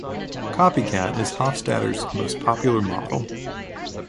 Copycat is Hofstadter's most popular model.